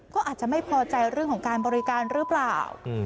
ก็อาจจะไม่พอใจเรื่องของการบริการหรือเปล่า